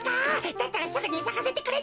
だったらすぐにさかせてくれってか。